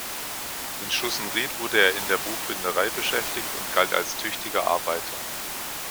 In Schussenried wurde er in der Buchbinderei beschäftigt und galt als „tüchtiger Arbeiter“.